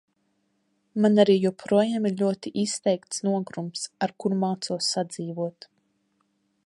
Man arī joprojām ir ļoti izteikts nogurums, ar kuru mācos sadzīvot.